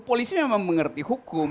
polisi memang mengerti hukum